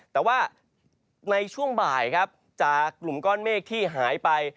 แต่ว่าในช่วงบ่ายครับจากกลุ่มก้อนเมฆที่หายไป